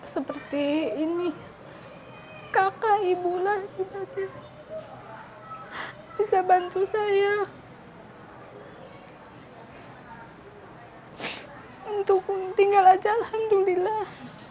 seperti ini kakak ibulah ibadah bisa bantu saya untuk tinggal aja alhamdulillah